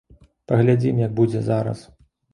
Паглядзім як будзе зараз.